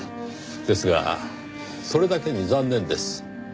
ですがそれだけに残念です。